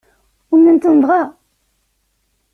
Umnen-ten dɣa?